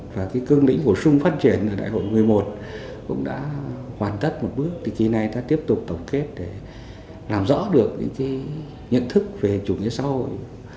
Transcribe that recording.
và con đường đi lên chủ nghĩa xã hội